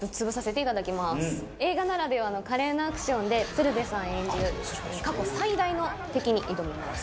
映画ならではの華麗なアクションで鶴瓶さん演じる過去最大の敵に挑みます。